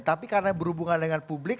tapi karena berhubungan dengan publik